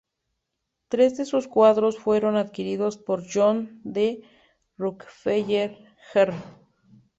Tres de sus cuadros fueron adquiridos por John D. Rockefeller, Jr.